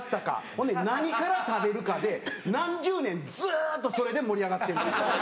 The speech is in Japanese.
ほんで何から食べるかで何十年ずっとそれで盛り上がってんの。